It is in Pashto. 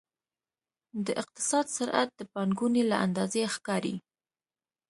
د اقتصاد سرعت د پانګونې له اندازې ښکاري.